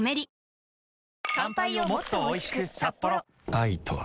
愛とは